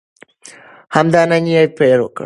همدا نن یې پیل کړو.